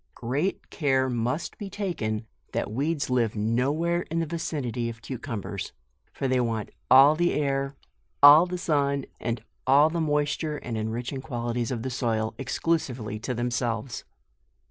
Great care must be taken that weeds live no where in the vicinity of cu cumbers, for they want all the air, all the sun, and all the moisture and enriching quali ties of the soil, exclusively to themselves.